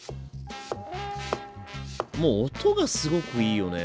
もう音がすごくいいよね。